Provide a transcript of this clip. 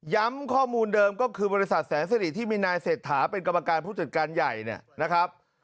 ข้อมูลเดิมก็คือบริษัทแสนสิริที่มีนายเศรษฐาเป็นกรรมการผู้จัดการใหญ่เนี่ยนะครับ